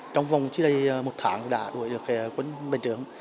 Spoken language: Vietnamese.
trong vòng chứa đây một tháng đã đuổi được quân bình trường